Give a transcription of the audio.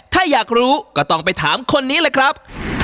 ถ้าอยากรู้ก็ต้องไปถามคนนี้เลยครับ